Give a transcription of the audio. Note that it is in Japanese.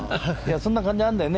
そんな感じがあるんだよね